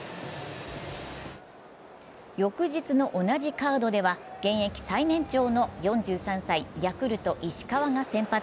翌日の同じカードでは現役最年長の４３歳、ヤクルト・石川が先発。